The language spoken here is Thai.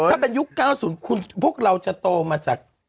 ถ้าเป็นยุค๙๐คุณพวกเราจะโตมาจาก